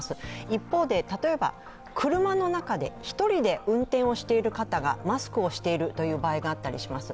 一方で例えば、車の中で１人で運転をしている方がマスクをしているという場合があったりします。